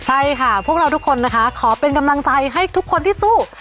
ใช่ค่ะพวกเราทุกคนนะคะขอเป็นกำลังใจให้ทุกคนที่สู้